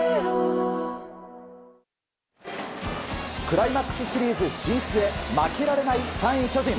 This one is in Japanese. クライマックスシリーズ進出へ負けられない３位、巨人。